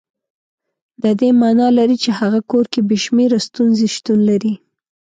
د دې معنا لري چې هغه کور کې بې شمېره ستونزې شتون لري.